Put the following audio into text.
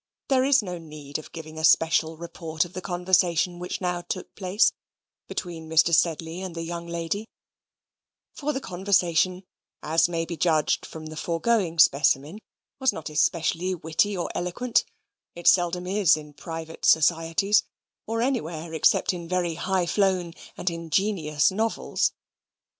There is no need of giving a special report of the conversation which now took place between Mr. Sedley and the young lady; for the conversation, as may be judged from the foregoing specimen, was not especially witty or eloquent; it seldom is in private societies, or anywhere except in very high flown and ingenious novels.